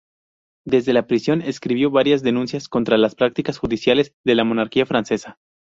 Desde la prisión escribió varias denuncias contra las prácticas judiciales de la monarquía francesa.